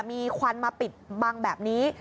มีควันมาปิดบังแบบนี้